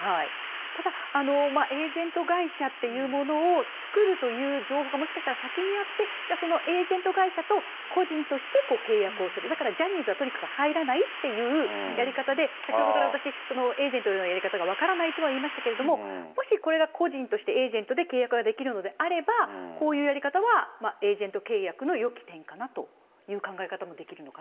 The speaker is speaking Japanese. ただ、エージェント会社っていうものを作るという情報が、もしかしたら先にあって、じゃあそのエージェント会社と個人として契約をする、だからジャニーズはとにかく入らないっていうやり方で、先ほどから私、エージェントのやり方が分からないとは言いましたけれども、もしこれが個人として、エージェントとして契約ができるのであれば、こういうやり方はエージェント契約のよき点かなという考え方がでうーん。